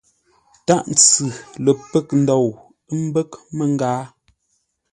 Tâʼ ntsʉ lə pə́ghʼ ndou, ə́ mbə́ghʼ mə́ngáa.